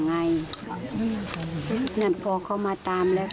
ต้องส่งน้องไปโรงพยาบาล